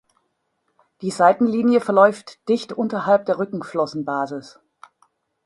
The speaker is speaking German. Die Seitenlinie verläuft dicht unterhalb der Rückenflossenbasis.